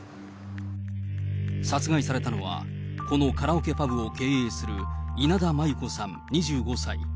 殺害されたのは、このカラオケパブを経営する稲田真優子さん２５歳。